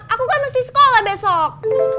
aku gak mesti sekolah besok